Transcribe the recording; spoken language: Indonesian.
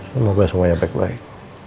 semoga semuanya baik baik